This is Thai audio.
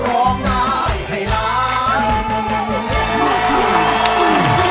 โอเค